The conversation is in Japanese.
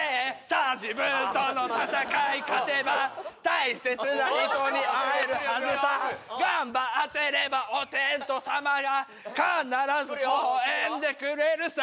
さぁ自分との闘い勝てば大切な人に会えるはずさ頑張っていればお天道様が必ず微笑んでくれるさ